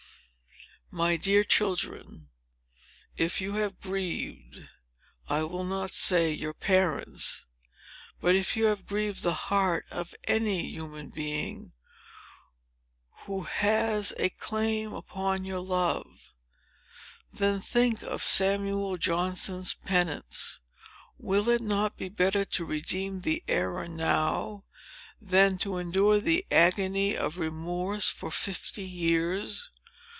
My dear children, if you have grieved—I will not say, your parents—but, if you have grieved the heart of any human being, who has a claim upon your love, then think of Samuel Johnson's penance! Will it not be better to redeem the error now, than to endure the agony of remorse for fifty years?